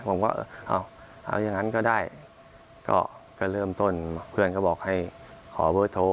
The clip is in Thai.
ผมก็เอาอย่างนั้นก็ได้ก็เริ่มต้นเพื่อนก็บอกให้ขอเบอร์โทร